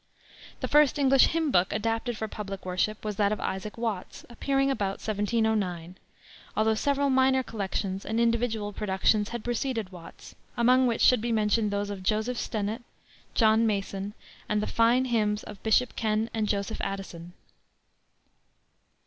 The first English hymn book adapted for public worship was that of Isaac Watts, appearing about 1709, although several minor collections and individual productions had preceded Watts, among which should be mentioned those of Joseph Stennett, John Mason, and the fine hymns of Bishop Ken and Joseph Addison.